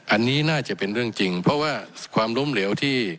อันนี้น่าจะเป็นเรื่องจริงเพราะว่าความล้มเหลวที่